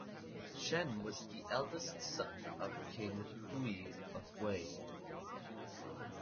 Shen was the eldest son of King Hui of Wei.